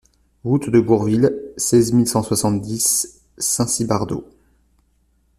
Route de Gourville, seize mille cent soixante-dix Saint-Cybardeaux